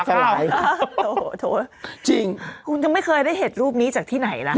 เจ้าค่ะโถ่จริงคุณไม่เคยได้เห็นรูปนี้จากที่ไหนแล้ว